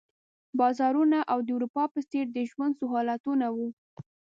بازارونه او د اروپا په څېر د ژوند سهولتونه وو.